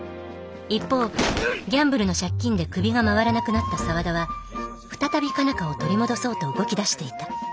一方ギャンブルの借金で首が回らなくなった沢田は再び佳奈花を取り戻そうと動きだしていた。